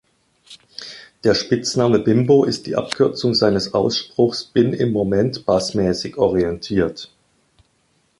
Der Spitzname "Bimbo" ist die Abkürzung seines Ausspruchs "B"in "i"m "M"oment "b"assmäßig "o"rientiert.